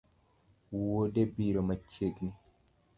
Wuode biro machiegni